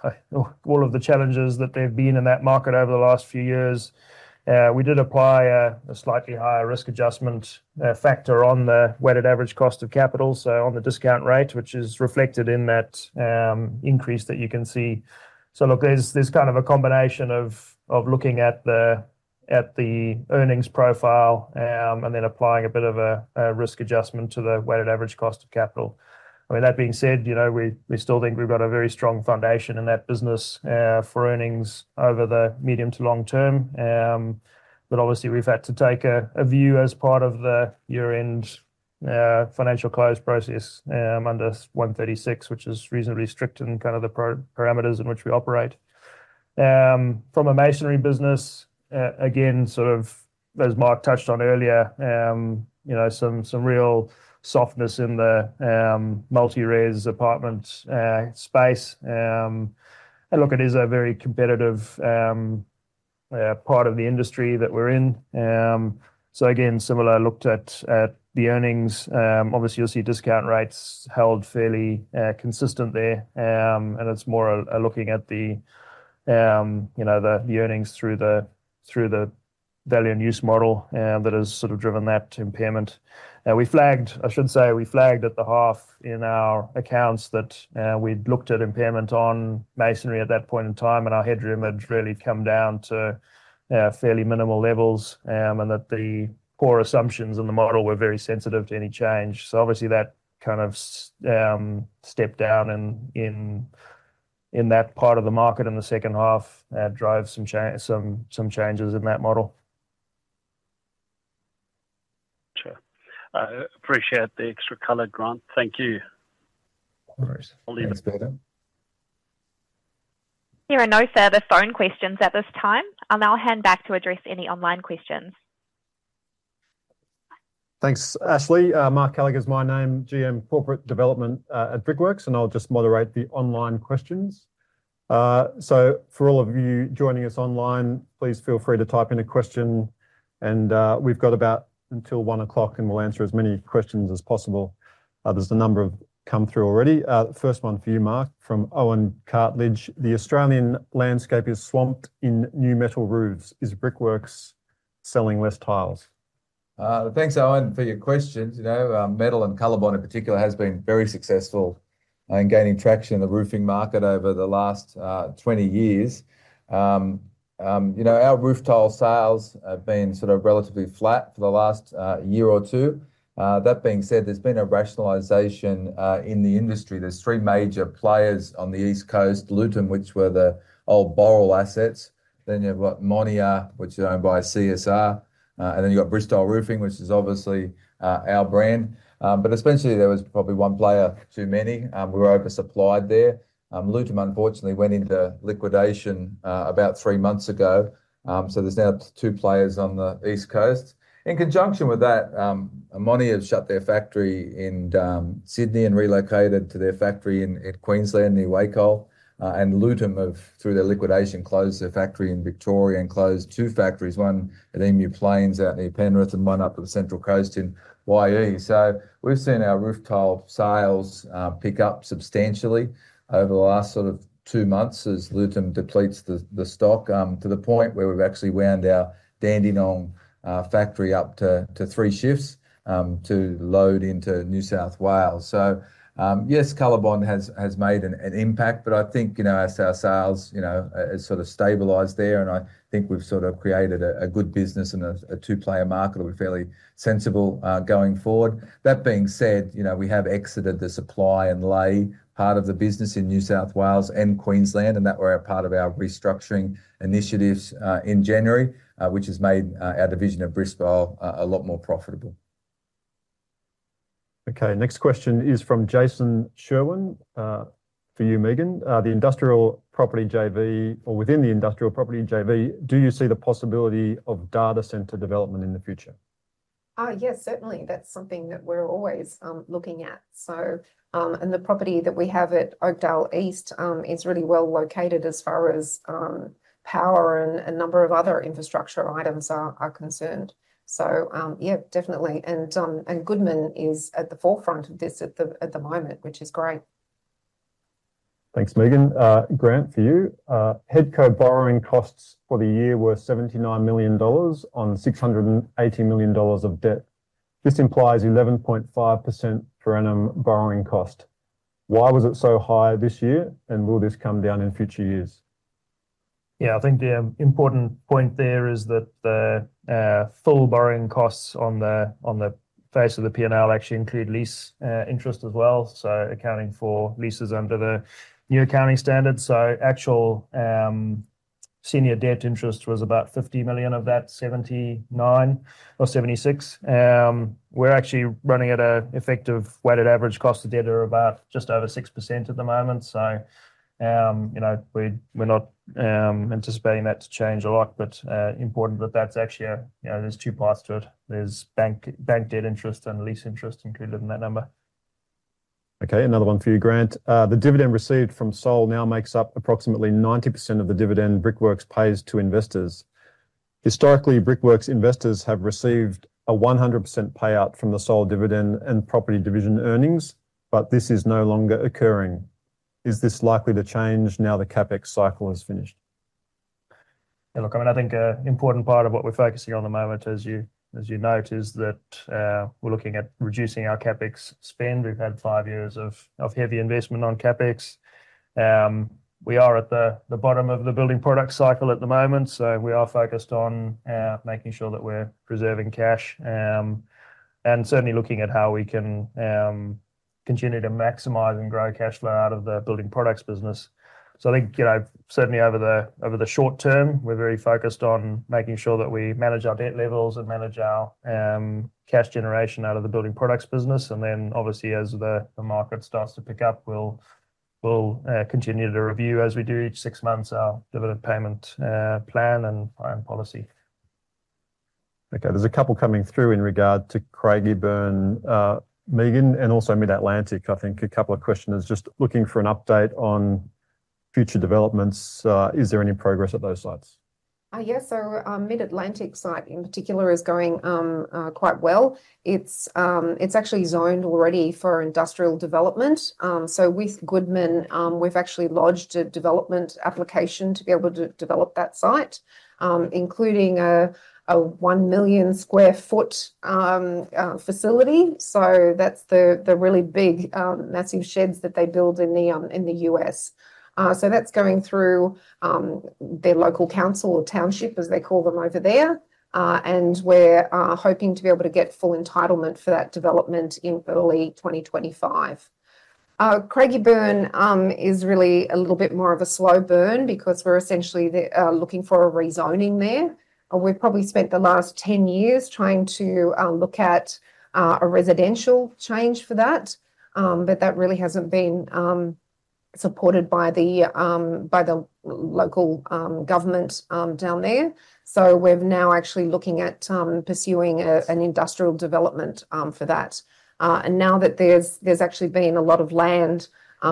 all of the challenges that they've been in that market over the last few years. We did apply a slightly higher risk adjustment factor on the weighted average cost of capital, so on the discount rate, which is reflected in that increase that you can see. So look, there's kind of a combination of looking at the earnings profile, and then applying a bit of a risk adjustment to the weighted average cost of capital. I mean, that being said, you know, we still think we've got a very strong foundation in that business for earnings over the medium to long term. But obviously we've had to take a view as part of the year-end financial close process, under one thirty-six, which is reasonably strict in kind of the parameters in which we operate. From a masonry business, again, sort of as Mark touched on earlier, you know, some real softness in the multi-res apartment space. And look, it is a very competitive part of the industry that we're in. So again, similar, I looked at the earnings. Obviously, you'll see discount rates held fairly consistent there. And it's more a looking at the, you know, the earnings through the value-in-use model that has sort of driven that impairment. We flagged- I should say, we flagged at the half in our accounts that we'd looked at impairment on masonry at that point in time, and our headroom had really come down to fairly minimal levels, and that the core assumptions in the model were very sensitive to any change. So obviously that kind of stepped down in that part of the market in the second half drove some changes in that model. Sure. I appreciate the extra color, Grant. Thank you. No worries. Thanks, Peter. There are no further phone questions at this time. I'll now hand back to address any online questions. Thanks, Ashley. Mark Gallagher is my name, GM Corporate Development, at Brickworks, and I'll just moderate the online questions. So for all of you joining us online, please feel free to type in a question, and we've got about until 1:00 P.M., and we'll answer as many questions as possible. There's a number have come through already. First one for you, Mark, from Owen Cartledge: "The Australian landscape is swamped in new metal roofs. Is Brickworks selling less tiles? Thanks, Owen, for your questions. You know, metal and Colorbond in particular has been very successful in gaining traction in the roofing market over the last twenty years. You know, our roof tile sales have been sort of relatively flat for the last year or two. That being said, there's been a rationalization in the industry. There's three major players on the East Coast, Lutum, which were the old Boral assets. Then you've got Monier, which are owned by CSR, and then you've got Bristile Roofing, which is obviously our brand. But essentially there was probably one player too many. We were oversupplied there. Lutum, unfortunately, went into liquidation about three months ago. So there's now two players on the East Coast. In conjunction with that, Monier shut their factory in Sydney and relocated to their factory in Queensland, near Wacol, and Lutum, through their liquidation, closed their factory in Victoria and closed two factories, one at Emu Plains, out near Penrith, and one up at the Central Coast in Wyong, so we've seen our roof tile sales pick up substantially over the last sort of two months as Lutum depletes the stock to the point where we've actually wound our Dandenong factory up to three shifts to load into New South Wales. Yes, Colorbond has made an impact, but I think, you know, as our sales, you know, has sort of stabilized there, and I think we've sort of created a good business and a two-player market that will be fairly sensible going forward. That being said, you know, we have exited the supply and lay part of the business in New South Wales and Queensland, and that were a part of our restructuring initiatives in January, which has made our division of Bristile a lot more profitable. Okay, next question is from Jason Sherwin, for you, Megan. "The industrial property JV- or within the industrial property JV, do you see the possibility of data center development in the future? Yes, certainly. That's something that we're always looking at. So, and the property that we have at Oakdale East is really well-located as far as power and a number of other infrastructure items are concerned. So, yeah, definitely. And Goodman is at the forefront of this at the moment, which is great. Thanks, Megan. Grant, for you. "Headco borrowing costs for the year were AUD 79 million on AUD 680 million of debt. This implies 11.5% per annum borrowing cost. Why was it so high this year, and will this come down in future years? Yeah, I think the important point there is that the full borrowing costs on the face of the P&L actually include lease interest as well, so accounting for leases under the new accounting standards. So actual senior debt interest was about 50 million of that, 79 or 76. We're actually running at an effective weighted average cost of debt of about just over 6% at the moment, so you know, we're not anticipating that to change a lot, but important that that's actually a... You know, there's two parts to it. There's bank debt interest and lease interest included in that number. Okay, another one for you, Grant. "The dividend received from Soul now makes up approximately 90% of the dividend Brickworks pays to investors. Historically, Brickworks investors have received a 100% payout from the Soul dividend and property division earnings, but this is no longer occurring. Is this likely to change now the CapEx cycle is finished?... Yeah, look, I mean, I think an important part of what we're focusing on at the moment, as you note, is that we're looking at reducing our CapEx spend. We've had five years of heavy investment on CapEx. We are at the bottom of the building product cycle at the moment, so we are focused on making sure that we're preserving cash, and certainly looking at how we can continue to maximize and grow cash flow out of the building products business. So I think, you know, certainly over the short term, we're very focused on making sure that we manage our debt levels and manage our cash generation out of the building products business. And then, obviously, as the market starts to pick up, we'll continue to review, as we do each six months, our dividend payment plan and policy. Okay, there's a couple coming through in regard to Craigieburn, Megan, and also Mid-Atlantic. I think a couple of questions. Just looking for an update on future developments. Is there any progress at those sites? Yes. So our Mid-Atlantic site, in particular, is going quite well. It's actually zoned already for industrial development. So with Goodman, we've actually lodged a development application to be able to develop that site, including a one million sq ft facility. So that's the really big massive sheds that they build in the US. So that's going through their local council or township, as they call them over there. And we're hoping to be able to get full entitlement for that development in early 2025. Craigieburn is really a little bit more of a slow burn because we're essentially looking for a rezoning there. We've probably spent the last 10 years trying to look at a residential change for that. But that really hasn't been supported by the local government down there. So we're now actually looking at pursuing an industrial development for that. And now that there's actually been a lot of land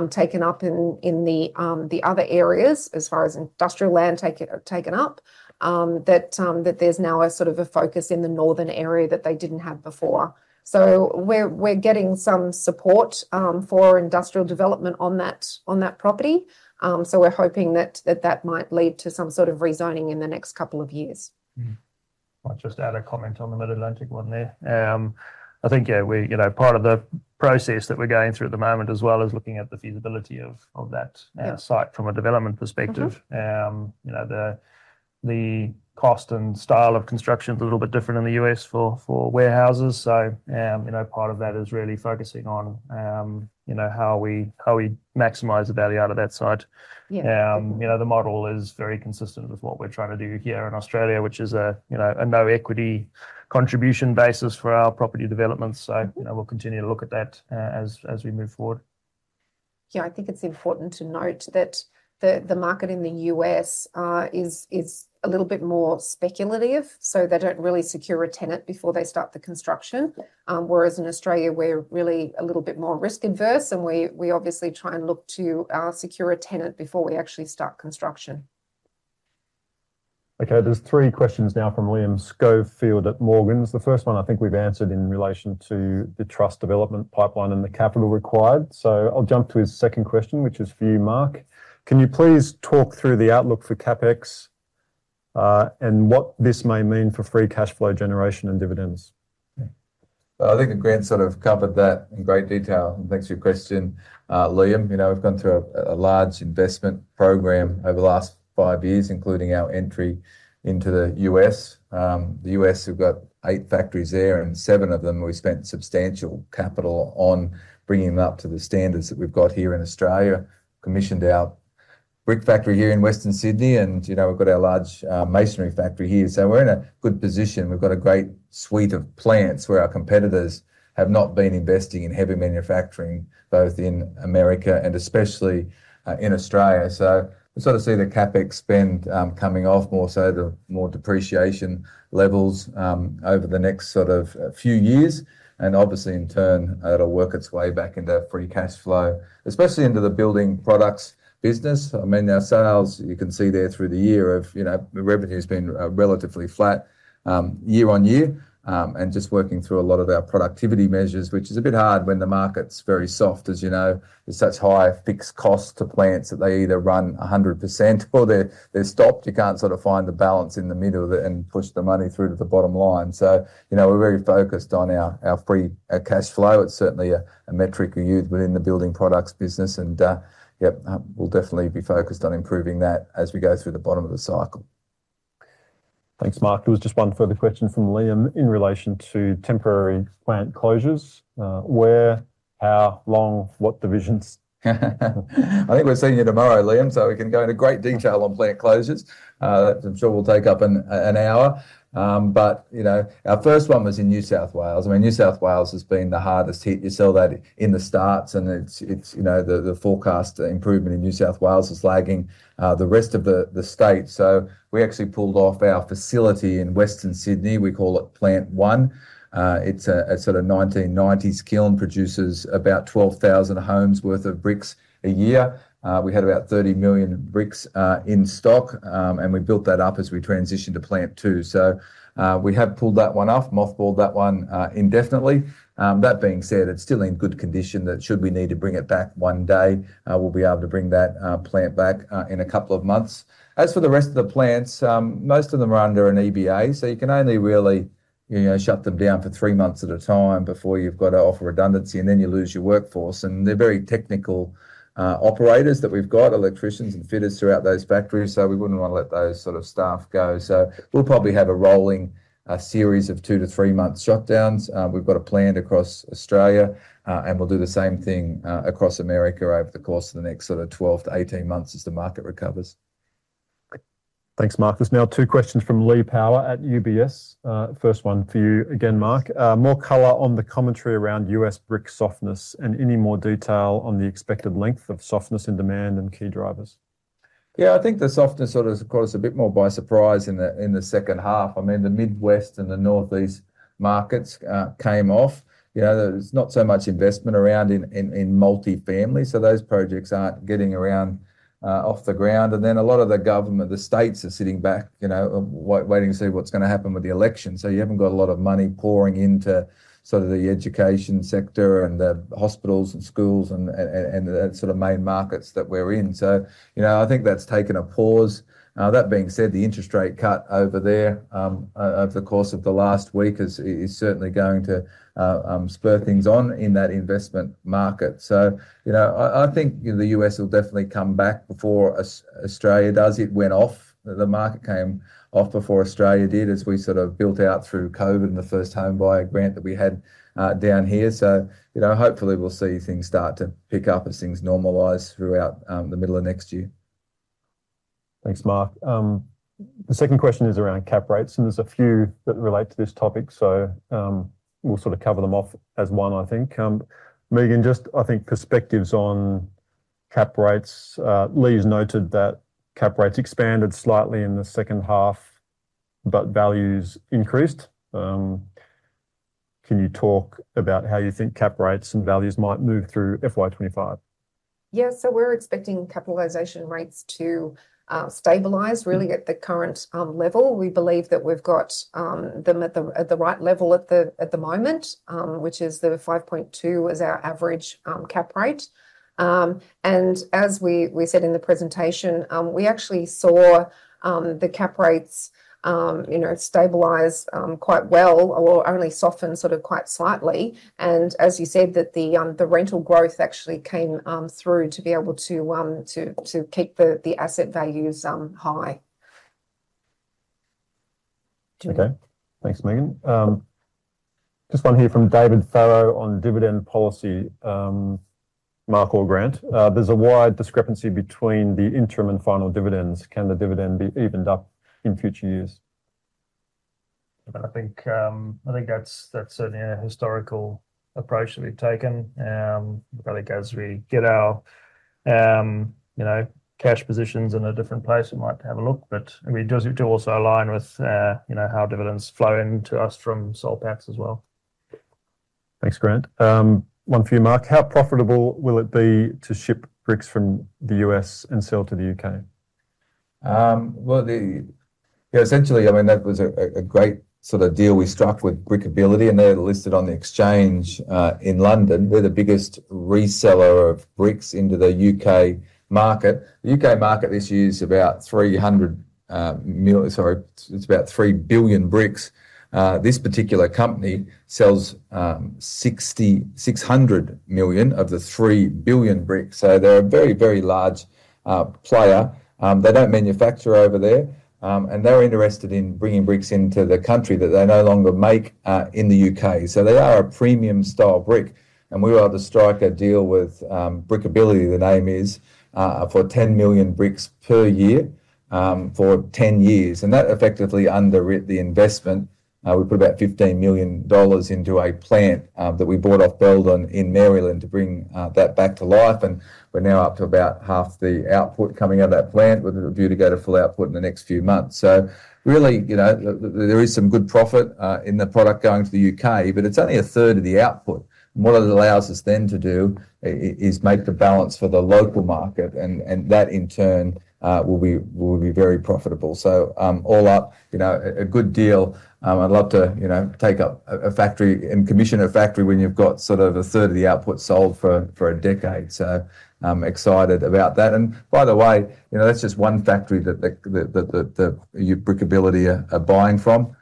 taken up in the other areas, as far as industrial land taken up, that there's now a sort of a focus in the northern area that they didn't have before. So we're getting some support for industrial development on that property. So we're hoping that that might lead to some sort of rezoning in the next couple of years. Mm-hmm. I'll just add a comment on the Mid-Atlantic one there. I think, yeah, we... You know, part of the process that we're going through at the moment, as well, is looking at the feasibility of that- Yeah... site from a development perspective. Mm-hmm. You know, the cost and style of construction is a little bit different in the U.S. for warehouses, so you know, part of that is really focusing on you know, how we maximize the value out of that site. Yeah. You know, the model is very consistent with what we're trying to do here in Australia, which is, you know, a no equity contribution basis for our property development. Mm-hmm. You know, we'll continue to look at that as we move forward. Yeah, I think it's important to note that the market in the U.S. is a little bit more speculative, so they don't really secure a tenant before they start the construction. Yeah. Whereas in Australia, we're really a little bit more risk averse, and we obviously try and look to secure a tenant before we actually start construction. Okay, there's three questions now from William Schofield at Morgans. The first one I think we've answered in relation to the trust development pipeline and the capital required. So I'll jump to his second question, which is for you, Mark. Can you please talk through the outlook for CapEx and what this may mean for free cash flow generation and dividends? I think Grant sort of covered that in great detail. Thanks for your question, William. You know, we've gone through a large investment program over the last five years, including our entry into the U.S. The U.S., we've got eight factories there, and seven of them, we spent substantial capital on bringing them up to the standards that we've got here in Australia. Commissioned our brick factory here in Western Sydney, and, you know, we've got our large masonry factory here. So we're in a good position. We've got a great suite of plants, where our competitors have not been investing in heavy manufacturing, both in America and especially in Australia. So sort of see the CapEx spend, coming off more so the more depreciation levels, over the next sort of, few years, and obviously, in turn, it'll work its way back into free cash flow, especially into the building products business. I mean, our sales, you can see there through the year of, you know, the revenue's been, relatively flat, year on year. And just working through a lot of our productivity measures, which is a bit hard when the market's very soft, as you know. There's such high fixed costs to plants that they either run 100% or they're stopped. You can't sort of find the balance in the middle of it and push the money through to the bottom line. So, you know, we're very focused on our free cash flow. It's certainly a metric we use within the building products business. And, yep, we'll definitely be focused on improving that as we go through the bottom of the cycle. Thanks, Mark. There was just one further question from William in relation to temporary plant closures. Where, how long, what divisions? I think we're seeing you tomorrow, William, so we can go into great detail on plant closures. I'm sure we'll take up an hour, but you know, our first one was in New South Wales. I mean, New South Wales has been the hardest hit. You saw that in the starts, and it's you know, the forecast improvement in New South Wales is lagging the rest of the state, so we actually pulled off our facility in Western Sydney. We call it Plant 1. It's a sort of 1990s kiln, produces about 12,000 homes worth of bricks a year. We had about 30 million bricks in stock, and we built that up as we transitioned to Plant 2, so we have pulled that one off, mothballed that one indefinitely. That being said, it's still in good condition that should we need to bring it back one day, we'll be able to bring that plant back in a couple of months. As for the rest of the plants, most of them are under an EBA, so you can only, you know, shut them down for three months at a time before you've got to offer redundancy, and then you lose your workforce, and they're very technical operators that we've got, electricians and fitters throughout those factories, so we wouldn't want to let those sort of staff go. So we'll probably have a rolling series of 2-3-month shutdowns. We've got a plan across Australia, and we'll do the same thing across America over the course of the next sort of 12-18 months as the market recovers. Thanks, Mark. There's now two questions from Lee Power at UBS. First one for you again, Mark. More color on the commentary around U.S. brick softness, and any more detail on the expected length of softness and demand and key drivers? Yeah, I think the softness sort of caught us a bit more by surprise in the second half. I mean, the Midwest and the Northeast markets came off. You know, there's not so much investment around in multifamily, so those projects aren't getting off the ground. And then, a lot of the government, the states are sitting back, you know, waiting to see what's gonna happen with the election. So you haven't got a lot of money pouring into sort of the education sector and the hospitals and schools and and the sort of main markets that we're in. So, you know, I think that's taken a pause. That being said, the interest rate cut over there over the course of the last week is certainly going to spur things on in that investment market. You know, I think the US will definitely come back before Australia does. It went off. The market came off before Australia did, as we sort of built out through COVID and the first home buyer grant that we had down here. You know, hopefully we'll see things start to pick up as things normalize throughout the middle of next year. Thanks, Mark. The second question is around cap rates, and there's a few that relate to this topic, so, we'll sort of cover them off as one, I think. Megan, just, I think, perspectives on cap rates. Lee's noted that cap rates expanded slightly in the second half, but values increased. Can you talk about how you think cap rates and values might move through FY 2025? Yeah, so we're expecting capitalization rates to stabilize really at the current level. We believe that we've got them at the right level at the moment, which is the 5.2 is our average cap rate. And as we said in the presentation, we actually saw the cap rates you know stabilize quite well, or only soften sort of quite slightly. And as you said, that the rental growth actually came through to be able to to keep the asset values high. Okay. Thanks, Megan. This one here from David Farrow on dividend policy. Mark or Grant, there's a wide discrepancy between the interim and final dividends. Can the dividend be evened up in future years? I think, I think that's, that's certainly a historical approach that we've taken. I think as we get our, you know, cash positions in a different place, we might have a look. But, I mean, it does have to also align with, you know, how dividends flow into us from Soul Patts as well. Thanks, Grant. One for you, Mark: How profitable will it be to ship bricks from the U.S. and sell to the U.K.? Well, yeah, essentially, I mean, that was a great sort of deal we struck with Brickability, and they're listed on the exchange in London. They're the biggest reseller of bricks into the U.K. market. The U.K. market this year is about three hundred million, sorry, it's about three billion bricks. This particular company sells six hundred million of the three billion bricks, so they're a very, very large player. They don't manufacture over there, and they're interested in bringing bricks into the country that they no longer make in the U.K. So they are a premium-style brick, and we were able to strike a deal with Brickability, the name is, for 10 million bricks per year, for 10 years. And that effectively underwrote the investment. We put about $15 million into a plant that we bought off Belden in Maryland to bring that back to life, and we're now up to about half the output coming out of that plant, with a view to go to full output in the next few months. So really, you know, there is some good profit in the product going to the U.K., but it's only a third of the output. And what it allows us then to do is make the balance for the local market, and that, in turn, will be very profitable. So all up, you know, a good deal. I'd love to, you know, take up a factory and commission a factory when you've got sort of a third of the output sold for a decade. I'm excited about that. By the way, you know, that's just one factory that Brickability are buying from.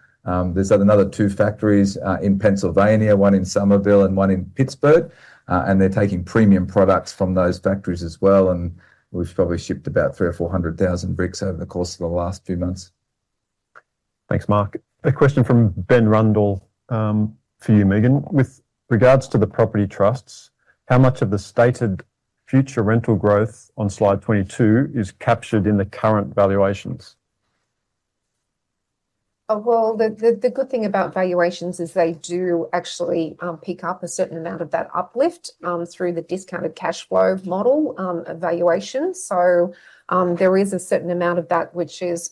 There's another two factories in Pennsylvania, one in Summerville and one in Pittsburgh, and they're taking premium products from those factories as well, and we've probably shipped about three or four hundred thousand bricks over the course of the last few months. Thanks, Mark. A question from Ben Rundle, for you, Megan. With regards to the property trusts, how much of the stated future rental growth on slide 22 is captured in the current valuations? The good thing about valuations is they do actually pick up a certain amount of that uplift through the discounted cash flow model valuation. There is a certain amount of that which is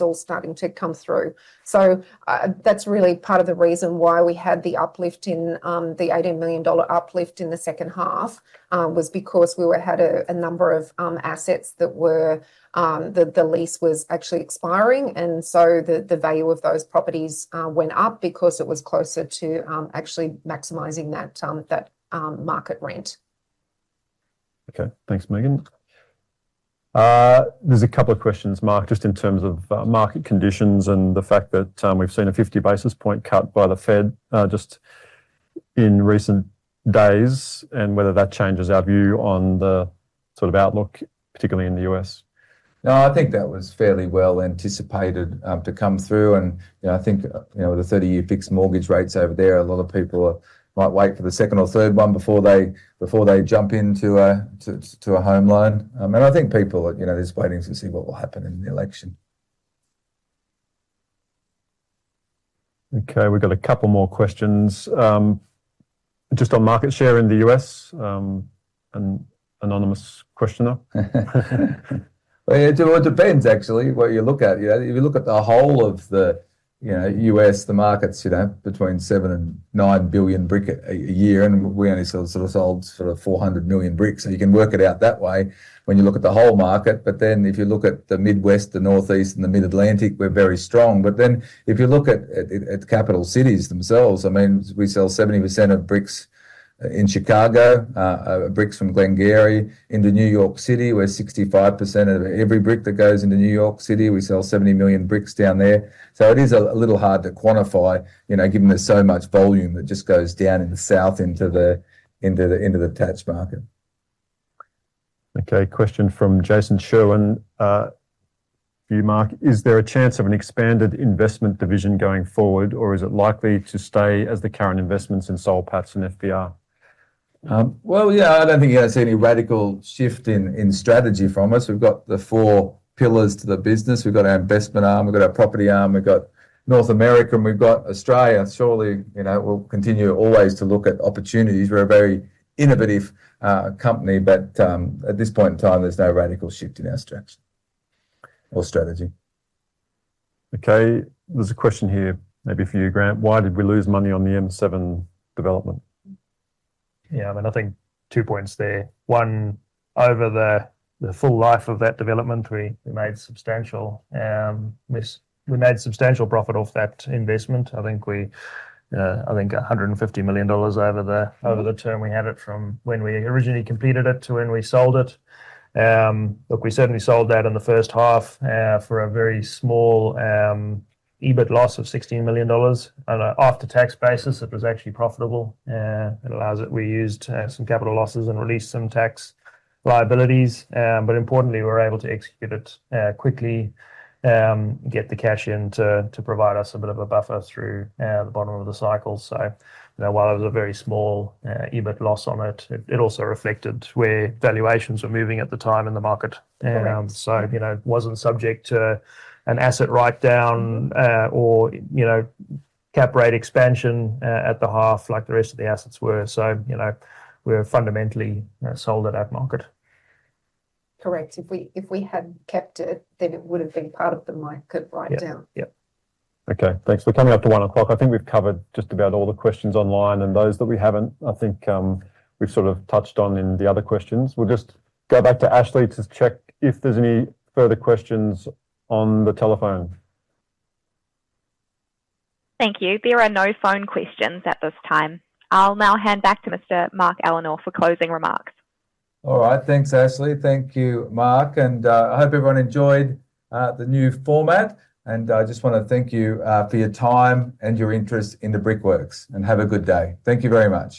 all starting to come through. That's really part of the reason why we had the uplift in the 80 million dollar uplift in the second half was because we had a number of assets that were the lease was actually expiring. The value of those properties went up because it was closer to actually maximizing that market rent.... Okay, thanks, Megan. There's a couple of questions, Mark, just in terms of market conditions and the fact that we've seen a 50 basis point cut by the Fed just in recent days, and whether that changes our view on the sort of outlook, particularly in the US. No, I think that was fairly well anticipated to come through. You know, I think, you know, with the 30-year fixed mortgage rates over there, a lot of people might wait for the second or third one before they jump into a home loan. And I think people are, you know, just waiting to see what will happen in the election. Okay, we've got a couple more questions. Just on market share in the U.S., an anonymous questioner. It depends actually, what you look at. You know, if you look at the whole of the U.S. markets, you know, between seven and nine billion bricks a year, and we only sort of sold sort of 400 million bricks. And you can work it out that way when you look at the whole market. But then, if you look at the Midwest, the Northeast, and the Mid-Atlantic, we're very strong. But then, if you look at capital cities themselves, I mean, we sell 70% of bricks in Chicago, bricks from Glen-Gery into New York City, where 65% of every brick that goes into New York City, we sell 70 million bricks down there. It is a little hard to quantify, you know, given there's so much volume that just goes down in the south into the attached market. Okay, question from Jason Sherwin, for you, Mark: "Is there a chance of an expanded investment division going forward, or is it likely to stay as the current investments in Soul Patts and FBR? Well, yeah, I don't think you're gonna see any radical shift in strategy from us. We've got the four pillars to the business. We've got our investment arm, we've got our property arm, we've got North America, and we've got Australia. Surely, you know, we'll continue always to look at opportunities. We're a very innovative company, but at this point in time, there's no radical shift in our strategy. Okay, there's a question here, maybe for you, Grant. "Why did we lose money on the M7 development? Yeah, I mean, I think two points there. One, over the full life of that development, we made substantial profit off that investment. I think we made 150 million dollars over the- Mm.... over the term we had it from when we originally completed it to when we sold it. Look, we certainly sold that in the first half, for a very small, EBIT loss of 16 million dollars. On an after-tax basis, it was actually profitable, it allowed us—we used, some capital losses and released some tax liabilities. But importantly, we were able to execute it, quickly, get the cash in to provide us a bit of a buffer through, the bottom of the cycle. So, you know, while it was a very small, EBIT loss on it, it also reflected where valuations were moving at the time in the market. Correct. So, you know, it wasn't subject to an asset write-down or, you know, cap rate expansion at the half, like the rest of the assets were. So, you know, we're fundamentally sold at that market. Correct. If we had kept it, then it would have been part of the market write-down. Yep, yep. Okay, thanks. We're coming up to 1:00 P.M. I think we've covered just about all the questions online, and those that we haven't, I think, we've sort of touched on in the other questions. We'll just go back to Ashley to check if there's any further questions on the telephone. Thank you. There are no phone questions at this time. I'll now hand back to Mr. Mark Ellenor for closing remarks. All right. Thanks, Ashley. Thank you, Mark, and I hope everyone enjoyed the new format. And I just wanna thank you for your time and your interest in the Brickworks, and have a good day. Thank you very much.